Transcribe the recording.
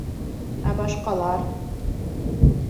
Ә башҡалар...